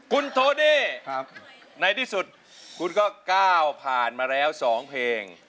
คุณโทเด้ในที่สุดคุณก็ก้าวผ่านมาแล้ว๒เพลง